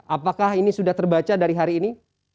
apakah ini sudah terbaca dari hari ini